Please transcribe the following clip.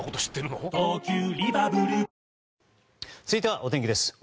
続いては、お天気です。